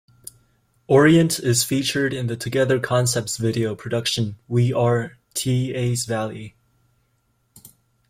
Orient is featured in the Together Concepts video production "We Are..Teays Valley".